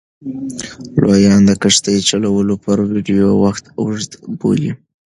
لویان د کښتۍ چلولو پر ویډیو وخت اوږد بولي.